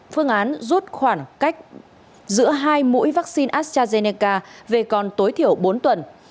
phương án rút khoảng cách giữa hai mũi vaccine astrazeneca về còn tối thiểu bốn tuần